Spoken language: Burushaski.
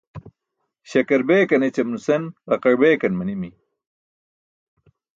Śakar beekan ećam nuse ġaqaẏ beekan manimi.